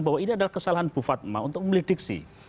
bahwa ini adalah kesalahan bu fatma untuk melidiksi